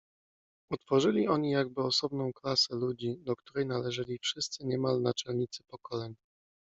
Utworzyli oni jakby osobną klasę ludzi, do której należeli wszyscy niemal naczelnicy pokoleń.